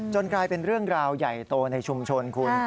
กลายเป็นเรื่องราวใหญ่โตในชุมชนคุณ